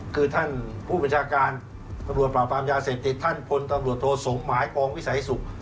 คือท่านผู้บัญชาการตำรวจปราบปรามยาเสพติดท่านพลตำรวจโทสมหมายกองวิสัยสุข